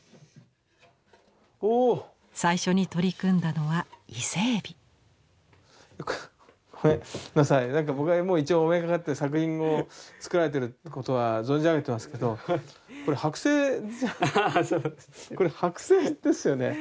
最初に取り組んだのは伊勢エビ。ごめんなさい僕はもう一応お目にかかって作品を作られてるってことは存じ上げてますけどこれ剥製じゃこれ剥製ですよね。